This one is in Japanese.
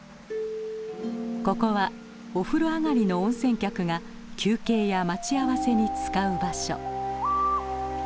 ここはお風呂上がりの温泉客が休憩や待ち合わせに使う場所。